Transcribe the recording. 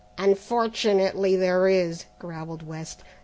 "Unfortunately there is," growled West.